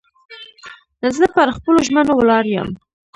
زه پر خپلو ژمنو ولاړ یم.